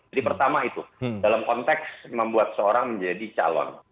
jadi pertama itu dalam konteks membuat seorang menjadi calon